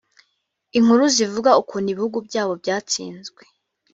inkuru zivuga ukuntu ibihugu byabo byatsinzwe